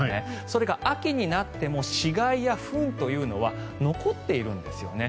それが秋になっても死骸やフンというのは残っているんですよね。